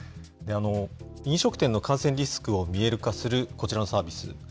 飲食店の感染リスクを見える化するこちらのサービス。